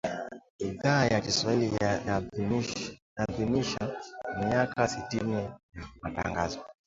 Idhaa ya Kiswahili yaadhimisha miaka sitini ya Matangazo.